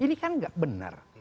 ini kan tidak benar